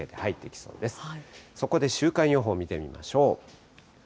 そこで週間予報を見てみましょう。